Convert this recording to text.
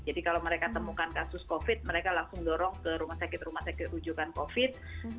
jadi kalau mereka temukan kasus covid mereka langsung dorong ke rumah sakit rumah sakit ujungan covid